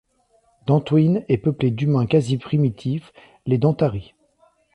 Dantooine est peuplée d'humains quasi-primitifs, les Dantari.